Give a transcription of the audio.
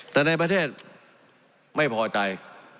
แต่ในประเทศไม่พอใจ